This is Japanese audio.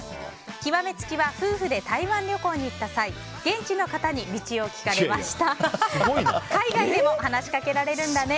極め付きは夫婦で台湾旅行に行った際現地の方に道を聞かれました。